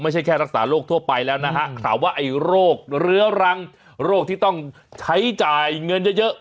แค่รักษาโรคทั่วไปแล้วนะฮะถามว่าไอ้โรคเรื้อรังโรคที่ต้องใช้จ่ายเงินเยอะ